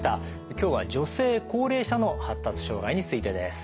今日は女性・高齢者の発達障害についてです。